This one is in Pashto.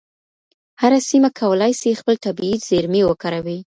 هره سیمه کولای سي خپل طبیعي زیرمې وکاروي.